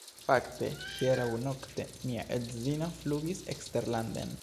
Fakte, hieraŭnokte mia edzino flugis eksterlanden